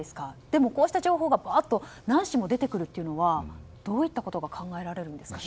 でも、こうした情報が何紙も出てくるということはどういったことが考えられるんですか。